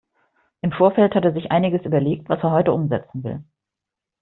Im Vorfeld hat er sich einiges überlegt, was er heute umsetzen will.